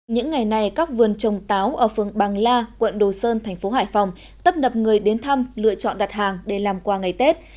những ngày này các vườn trồng táo ở phường bàng la quận đồ sơn thành phố hải phòng tấp nập người đến thăm lựa chọn đặt hàng để làm quà ngày tết